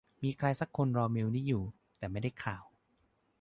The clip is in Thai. มีใครสักคนรอเมลนี้อยู่ แต่ไม่ได้ข่าว